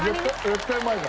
絶対うまいから。